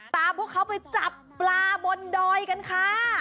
พวกเขาไปจับปลาบนดอยกันค่ะ